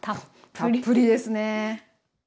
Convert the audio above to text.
たっぷりですね。